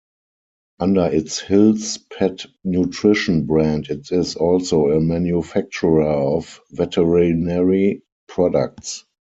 Under its "Hill's Pet Nutrition" brand, it is also a manufacturer of veterinary products.